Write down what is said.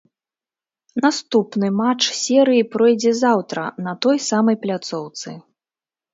Наступны матч серыі пройдзе заўтра на той самай пляцоўцы.